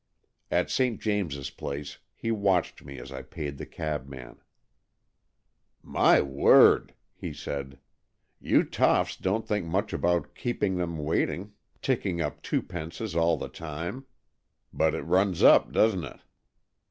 At St. James's Place he watched me as I paid the cabman. " My word !" he said. " You toffs don't think much about keeping them waiting, ticking up twopences all the time. But it runs up, doesn't it?"